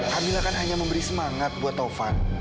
kamila kan hanya memberi semangat buat tovan